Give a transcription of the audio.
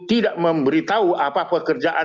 tidak memberitahu apa pekerjaan